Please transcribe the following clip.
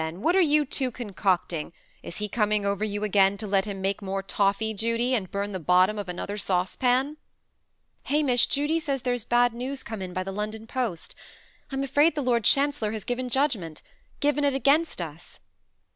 What are you two concocting? Is he coming over you again to let him make more toffy, Judy, and burn out the bottom of another saucepan?" "Hamish, Judy says there's bad news come in by the London post. I am afraid the Lord Chancellor has given judgment given it against us."